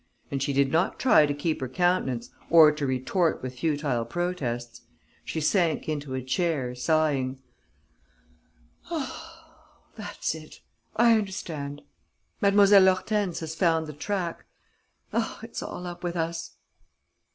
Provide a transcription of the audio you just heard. And she did not try to keep her countenance or to retort with futile protests. She sank into a chair, sighing: "Oh, that's it!... I understand.... Mlle. Hortense has found the track.... Oh, it's all up with us!"